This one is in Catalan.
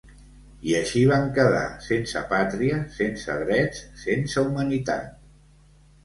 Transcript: I així van quedar, sense pàtria, sense drets, sense humanitat.